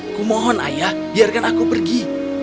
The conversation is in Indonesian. aku mohon ayah biarkan aku pergi